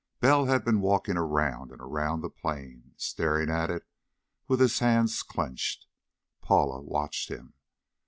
Bell had been walking around and around the plane, staring at it with his hands clenched. Paula watched him.